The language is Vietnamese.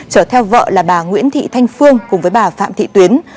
chở theo vợ là bà nguyễn thị thanh phương cùng với bà phạm thị tuyến